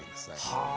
はあ。